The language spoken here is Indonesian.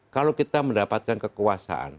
kalau kita mendapatkan kekuasaan